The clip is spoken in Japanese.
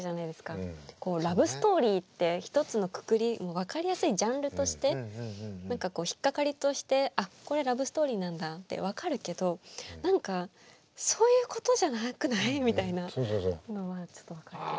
こうラブストーリーって一つのくくり分かりやすいジャンルとして何か引っ掛かりとしてあっこれラブストーリーなんだって分かるけど何かそういうことじゃなくない？みたいなのはちょっと分かりますね。